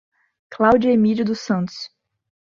Cláudia Emidio dos Santos